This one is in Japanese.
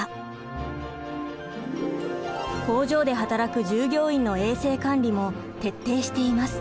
工場で働く従業員の衛生管理も徹底しています。